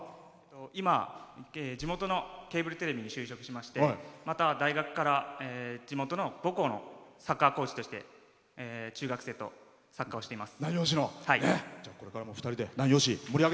今、地元のケーブルテレビに就職しまして大学から地元の、母校のサッカーコーチとして中学生とサッカーしています。